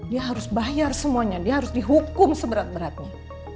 dia harus bayar semuanya dia harus dihukum seberat beratnya